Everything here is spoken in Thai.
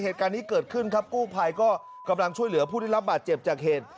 เหตุการณ์นี้เกิดขึ้นครับกู้ภัยก็กำลังช่วยเหลือผู้ได้รับบาดเจ็บจากเหตุ